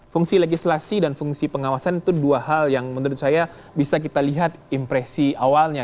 fungsi legislasi dan fungsi pengawasan itu dua hal yang menurut saya bisa kita lihat impresi awalnya